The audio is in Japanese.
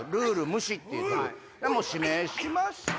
もう指名しますか。